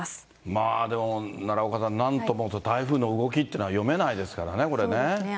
まあでも、奈良岡さん、なんとも台風の動きっていうのは、読そうですね。